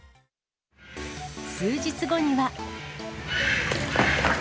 数日後には。